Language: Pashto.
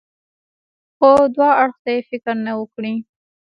خو دو اړخ ته يې فکر نه و کړى.